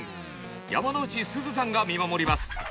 山之内すずさんが見守ります。